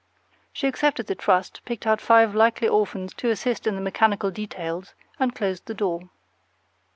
She accepted the trust, picked out five likely orphans to assist in the mechanical details, and closed the door.